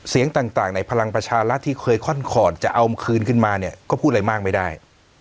เสียงต่างในพลังประชารัฐที่เคยค่อนคอร์ดจะเอาคืนขึ้นมาเนี่ยก็พูดอะไรมากไม่ได้